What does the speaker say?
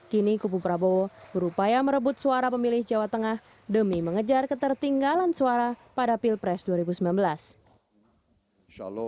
kini kubu prabowo berupaya merebut suara pemilih jawa tengah demi mengejar ketertinggalan suara pada pilpres dua ribu sembilan belas